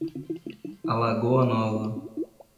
Alagoa Nova